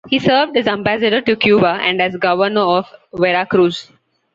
He served as Ambassador to Cuba and as Governor of Veracruz.